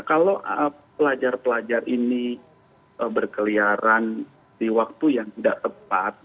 kalau pelajar pelajar ini berkeliaran di waktu yang tidak tepat